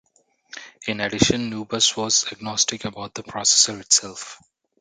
In addition, NuBus was agnostic about the processor itself.